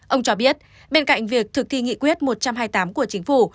ông cho biết bên cạnh việc thực thi nghị quyết một trăm hai mươi tám của chính phủ